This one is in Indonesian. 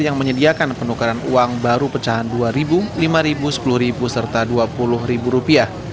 yang menyediakan penukaran uang baru pecahan rp dua rp lima rp sepuluh serta rp dua puluh